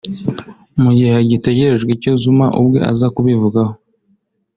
mu gihe hagitegerejwe icyo Zuma ubwe aza kubivugaho